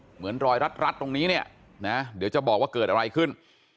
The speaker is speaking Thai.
เหมือนรอยรัดตรงนี้เนี่ยนะเดี๋ยวจะบอกว่าเกิดอะไรขึ้น